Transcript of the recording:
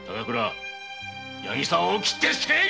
八木沢を斬って捨てい！